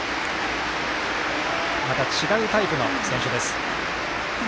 また違うタイプの選手です。